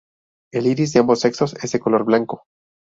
El iris de ambos sexos es de color blanco.